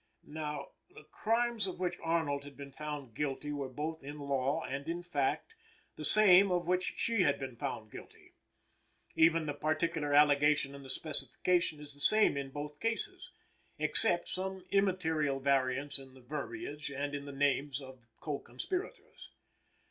Now, the crimes of which Arnold had been found guilty were both in law and in fact the same of which she had been found guilty. Even the particular allegation in the Specification is the same in both cases, except some immaterial variance in the verbiage and in the names of co conspirators.